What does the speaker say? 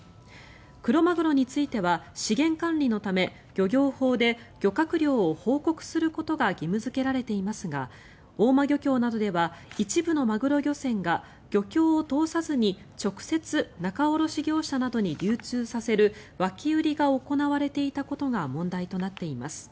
クロマグロについては資源管理のため漁業法で漁獲量を報告することが義務付けられていますが大間漁協などでは一部のマグロ漁船が漁協を通さずに直接、仲卸業者などに流通させる脇売りが行われていたことが問題となっています。